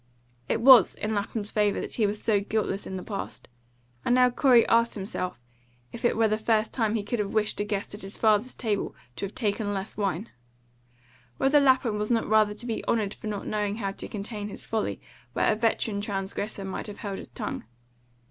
It WAS in Lapham's favour that he was so guiltless in the past, and now Corey asked himself if it were the first time he could have wished a guest at his father's table to have taken less wine; whether Lapham was not rather to be honoured for not knowing how to contain his folly where a veteran transgressor might have held his tongue.